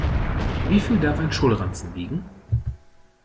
Wie viel darf ein Schulranzen wiegen?